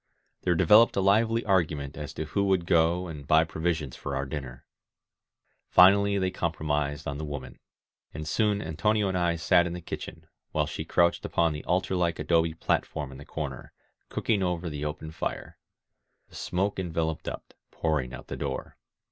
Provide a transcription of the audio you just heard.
There developed a lively argument as to who would go and buy provisions for our dinner. Finally they compro mised on the woman; and soon Antonio and I sat in the kitchen, while she crouched upon the altar like adobe platform in the corner, cooking over the open fire. The smoke enveloped up, pouring out the door.